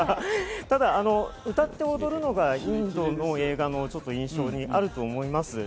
ただ歌って踊るのがインドの映画の印象にあると思います。